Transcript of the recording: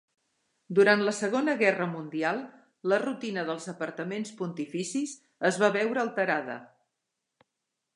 Durant la Segona Guerra Mundial la rutina dels apartaments pontificis es va veure alterada.